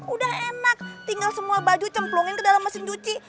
udah enak tinggal semua baju cemplungin ke dalam mesin cuci